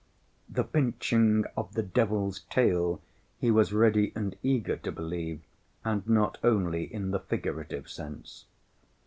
The pinching of the devil's tail he was ready and eager to believe, and not only in the figurative sense.